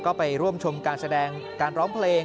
ก็ไปร่วมชมการแสดงการร้องเพลง